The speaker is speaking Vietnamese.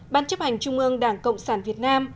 ban chấp hành trung ương đảng cộng sản việt nam